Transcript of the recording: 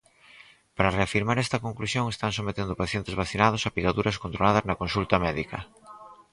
Para reafirmar esta conclusión, están sometendo pacientes vacinados a picaduras controladas na consulta médica.